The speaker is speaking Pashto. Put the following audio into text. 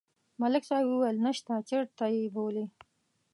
ملک صاحب ویل: نشته، چېرته یې بولي؟